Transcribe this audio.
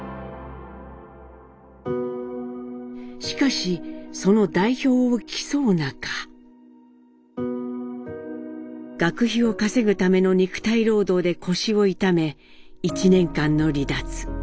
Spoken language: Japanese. しかしその代表を競う中学費を稼ぐための肉体労働で腰を痛め１年間の離脱。